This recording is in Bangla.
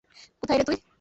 কোথায় রে তুই?